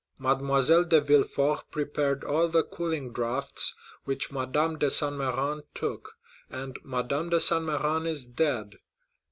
Mademoiselle de Villefort prepared all the cooling draughts which Madame de Saint Méran took, and Madame de Saint Méran is dead.